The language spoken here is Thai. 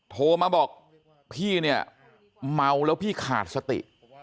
โทรมาบอกพี่เนี่ยเมาแล้วพี่ขาดสติ